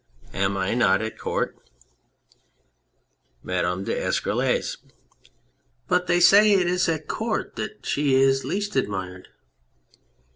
Am I not at Court ? MADAME D'ESCUROLLES. But they say it is at Court that she is least admired